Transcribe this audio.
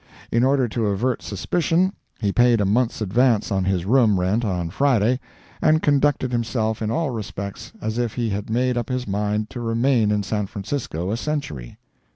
In order to avert suspicion, he paid a month's advance on his room rent on Friday, and conducted himself in all respects as if he had made up his mind to remain in San Francisco a century.